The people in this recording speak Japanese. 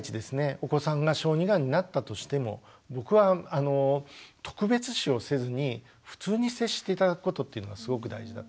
お子さんが小児がんになったとしても僕はあの特別視をせずに普通に接して頂くことっていうのがすごく大事だと思っています。